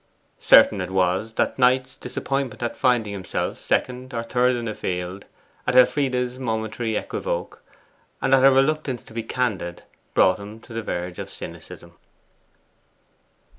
Certain it was that Knight's disappointment at finding himself second or third in the field, at Elfride's momentary equivoque, and at her reluctance to be candid, brought him to the verge of cynicism.